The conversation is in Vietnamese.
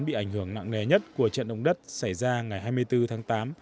bị ảnh hưởng nặng nề nhất của trận động đất xảy ra ngày hai mươi bốn tháng tám